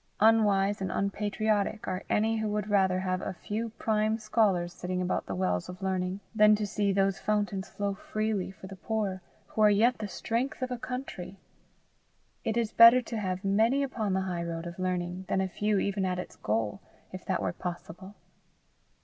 Unwise and unpatriotic are any who would rather have a few prime scholars sitting about the wells of learning, than see those fountains flow freely for the poor, who are yet the strength of a country. It is better to have many upon the high road of learning, than a few even at its goal, if that were possible.